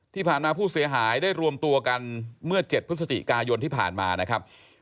ที่ผ่านมาผู้เสียหายได้รวมตัวกันเมื่อ๗พฤศจิกายนที่ผ่านมานะครับ